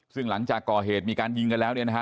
ซึ่งหลังจากก่อเหตุมีการยิงกันแล้วเนี่ยนะฮะ